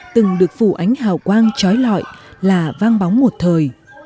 từng được phủ ánh hào quang trói lọi là vang bóng một thời